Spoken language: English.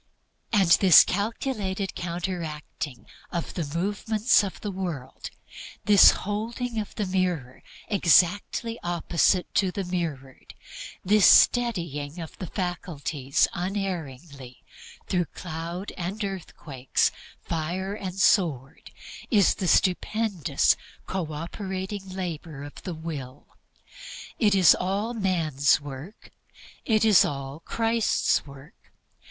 And this calculated counteracting of the movements of the world, this holding of the mirror exactly opposite to the Mirrored, this steadying of the faculties unerringly through cloud and earthquake, fire and sword, is the stupendous co operating labor of the Will. It is all man's work. It is all Christ's work.